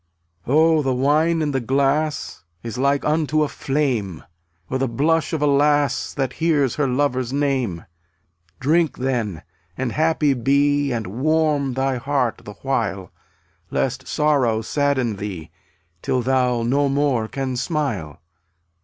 27 1 Oh, the wine in the glass Is like unto a flame, Or the blush of a lass That hears her lover's name. Drink, then, and happy be _ And warm thy heart the while, Lest Sorrow sadden thee,^ Till thou no more can smile.